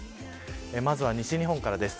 まずは西日本からです。